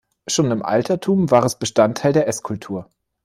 Schon im Altertum war es Bestandteil der Esskultur.